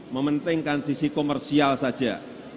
mementingkan sisi komersial saja